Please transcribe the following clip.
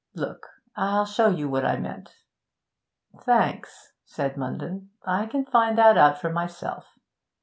Look! I'll show you what I meant.' 'Thanks,' said Munden, 'I can find that out for myself.'